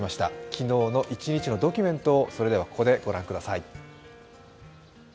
昨日の一日のドキュメントをご覧ください。